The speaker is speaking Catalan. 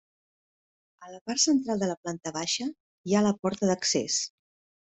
A la part central de la planta baixa hi ha la porta d'accés.